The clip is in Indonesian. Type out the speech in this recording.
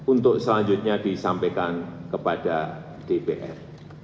untuk selanjutnya disampaikan kepada dpr